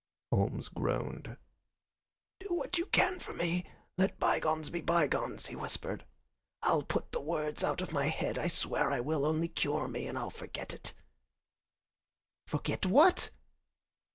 Holmes groaned. "Do what you can for me. Let bygones be bygones," he whispered. "I'll put the words out of my head I swear I will. Only cure me, and I'll forget it." "Forget what?"